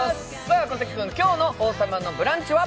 小関君、今日の「王様のブランチ」は？